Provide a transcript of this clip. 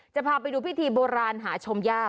จะพาไปดูพิธีโบราณหาชมยาก